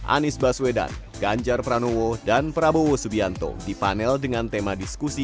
anies baswedan ganjar pranowo dan prabowo subianto dipanel dengan tema diskusi